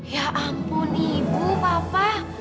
ya ampun ibu papa